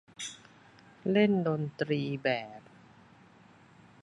เล่นดนตรีแบบ